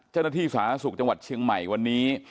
เจ้าหน้าที่สหรัฐสุขจังหวัดเชียงใหม่วันนี้